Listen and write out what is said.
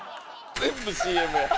全部ＣＭや。